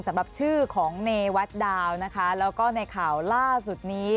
สำหรับชื่อของเนวัดดาวนะคะแล้วก็ในข่าวล่าสุดนี้